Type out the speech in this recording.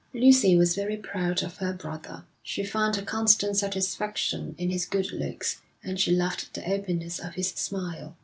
Lucy was very proud of her brother. She found a constant satisfaction in his good looks, and she loved the openness of his smile.